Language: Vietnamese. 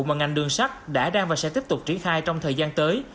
mà ngành đường sắt đã đang và sẽ tiếp tục triển khai trong thời gian tới